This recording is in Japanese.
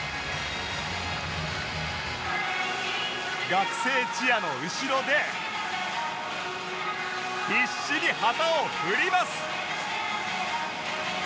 学生チアの後ろで必死に旗を振ります！